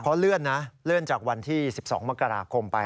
เพราะเลื่อนนะเลื่อนจากวันที่๑๒มกราคมไป